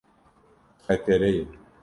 Xetere ye.